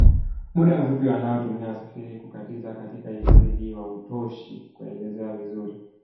Muda mfupi wa wanaotumia wasafiri kukatiza katika hifadhi hii hautoshi kuelezea vizuri